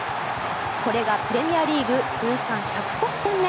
これがプレミアリーグ通算１００得点目。